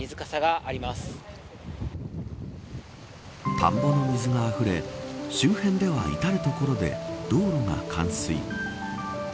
田んぼの水があふれ周辺では至る所で道路が冠水。